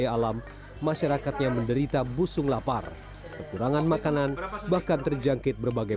alam masyarakatnya menderita busung lapar kekurangan makanan bahkan terjangkit berbagai